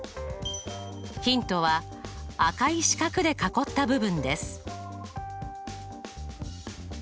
ヒントは赤い四角で囲った部分です。